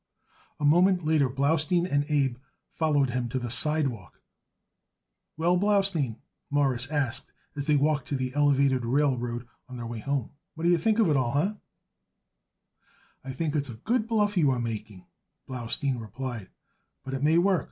A moment later Blaustein and Abe followed him to the sidewalk. "Well, Blaustein," Morris asked as they walked to the elevated railroad, on their way home, "what do you think of it all? Huh?" "I think it's a good bluff you are making," Blaustein replied, "but it may work.